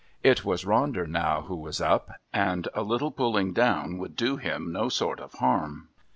It was Ronder now who was "up"...and a little pulling down would do him no sort of harm.